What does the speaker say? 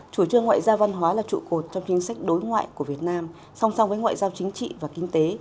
chủ trương ngoại giao văn hóa là trụ cột trong chính sách đối ngoại của việt nam song song với ngoại giao chính trị và kinh tế